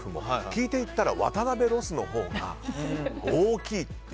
聞いていったら渡邊ロスのほうが大きいと。